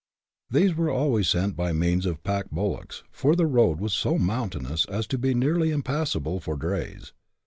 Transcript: These were always sent by means of pack bullocks, for the road was so mountainous as to be nearly impassable for drays.